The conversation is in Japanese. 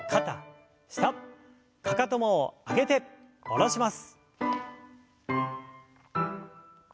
かかとも上げて下ろします。